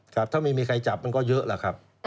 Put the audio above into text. ครับถ้าไม่มีใครจับมันก็เยอะแหละครับ